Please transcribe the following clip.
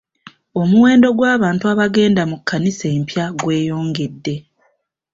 Omuwendo gw'abantu abagenda mu kkanisa empya gweyongedde.